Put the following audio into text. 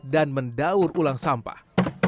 dan mendaur ulang sampah